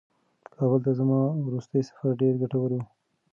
کابل ته زما وروستی سفر ډېر ګټور و.